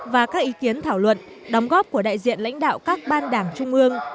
và các ý kiến thảo luận đóng góp của đại diện lãnh đạo các ban đảng trung ương